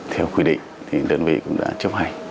theo quy định thì đơn vị cũng đã chấp hành